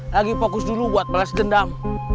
lagi fokus dulu buat balas dendam